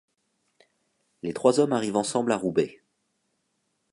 Les trois hommes arrivent ensemble à Roubaix.